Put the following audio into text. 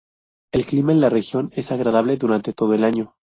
El clima en la región es agradable durante todo el año.